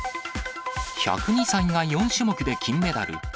１０２歳が４種目で金メダル。